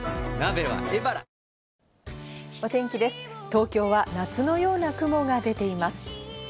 東京は夏のような雲が出ています。